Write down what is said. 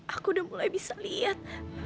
aku udah mulai bisa lihat